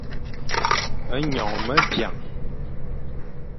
Nyongh me biang.